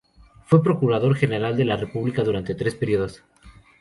Fue Procurador General de la República durante tres períodos.